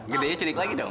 gedenya culik lagi dong